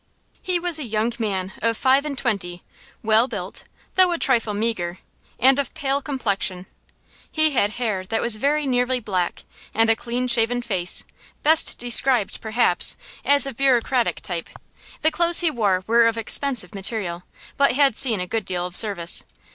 He was a young man of five and twenty, well built, though a trifle meagre, and of pale complexion. He had hair that was very nearly black, and a clean shaven face, best described, perhaps, as of bureaucratic type. The clothes he wore were of expensive material, but had seen a good deal of service.